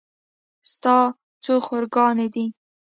ستا څو خور ګانې دي